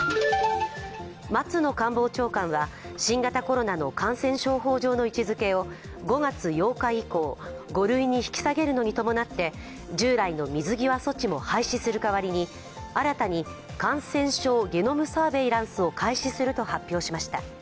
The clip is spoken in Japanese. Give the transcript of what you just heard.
松野官房長官は新型コロナの感染症法上の位置づけを５月８日以降５類に引き下げるのに伴って従来の水際措置も廃止する代わりに新たに感染症ゲノムサーベイランスを開始すると発表しました。